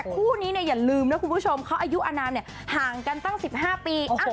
คู่นี้อย่าลืมนะคุณผู้ชมเขาอายุอนามห่างกันตั้ง๑๕ปี